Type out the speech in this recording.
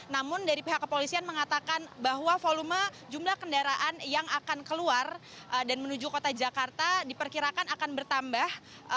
namun dari pihak kepolisian mengatakan bahwa volume jumlah kendaraan yang akan keluar dan menuju kota jakarta diperkirakan akan bertambah